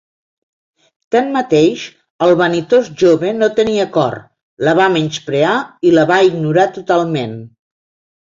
Tanmateix, el vanitós jove no tenia cor, la va menysprear i la va ignorar totalment.